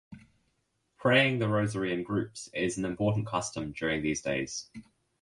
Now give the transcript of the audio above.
Praying the rosary in groups is an important custom during these days.